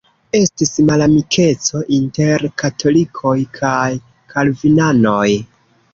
Estis malamikeco inter katolikoj kaj kalvinanoj.